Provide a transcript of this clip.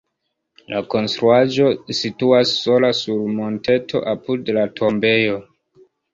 La konstruaĵo situas sola sur monteto apud la tombejo.